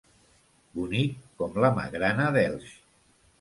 Bonic, com la magrana d'Elx.